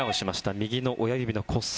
右の親指の骨折。